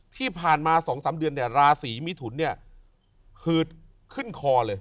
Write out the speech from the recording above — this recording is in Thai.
ที่ผ่านมา๒๓เดือนเนี่ยราศีมิถุนเนี่ยหืดขึ้นคอเลย